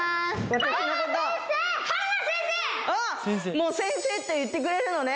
もう先生って言ってくれるのね。